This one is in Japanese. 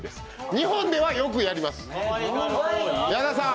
日本ではよくやります。